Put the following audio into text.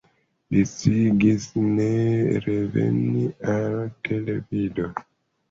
Li sciigis ne reveni al televido.